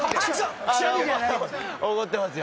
怒ってますよ。